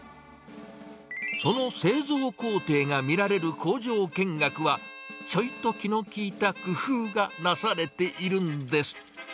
その製造工程が見られる工場見学は、ちょいと気の利いた工夫がなされているんです。